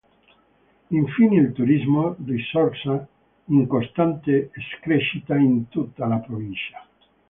Infine il turismo, risorsa in costante crescita in tutta la provincia.